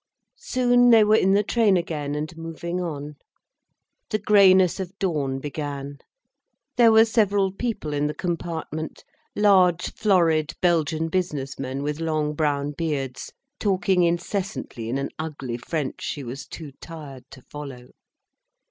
Soon they were in the train again and moving on. The greyness of dawn began. There were several people in the compartment, large florid Belgian business men with long brown beards, talking incessantly in an ugly French she was too tired to follow.